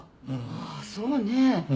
あそうね。